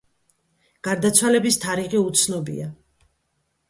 გარდაცვალების თარიღი უცნობია.